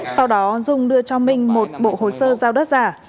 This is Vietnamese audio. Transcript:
sau đó dung đưa cho minh một bộ hồ sơ giao đất giả